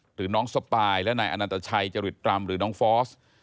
หรือน้องสปายและนายอนันตชัยจริตรำหรือน้องฟอส